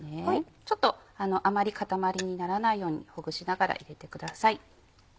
ちょっとあまり塊にならないようにほぐしながら入れてください。